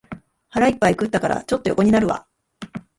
腹いっぱい食ったから、ちょっと横になるわ